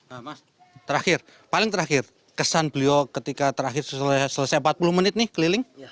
nah mas terakhir paling terakhir kesan beliau ketika terakhir selesai empat puluh menit nih keliling